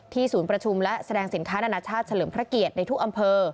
ศูนย์ประชุมและแสดงสินค้านานาชาติเฉลิมพระเกียรติในทุกอำเภอ